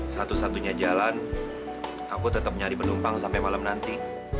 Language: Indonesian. satu satunya jalan aku tetap nyari penumpang sampai malam nanti